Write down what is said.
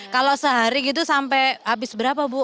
kalau sehari gitu sampai habis berapa bu